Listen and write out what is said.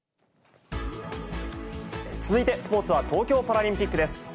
続いてスポーツは東京パラリンピックです。